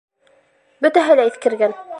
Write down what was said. Бөтәһе лә иҫкергән.